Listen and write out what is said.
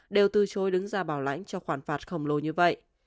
đều từ chối đứng ra bảo lãnh cho khoản phạt khổng lồ như vậy